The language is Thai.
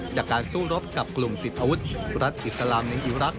จากการสู้รบกับกลุ่มติดอาวุธรัฐอิสลามในอีรักษ